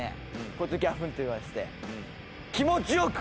こいつをギャフンと言わせて。